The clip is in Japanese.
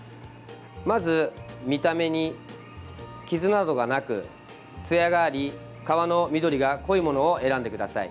まず見た目に傷などがなくつやがあり皮の緑が濃いものを選んでください。